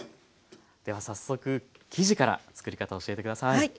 では早速生地からつくり方を教えて下さい。